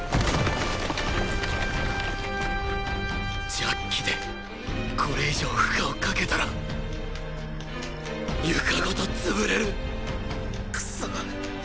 ジャッキでこれ以上負荷をかけたら床ごとツブれるクソ。